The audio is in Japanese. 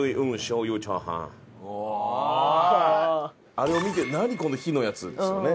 あれを見て「何？この火のやつ」ですよね。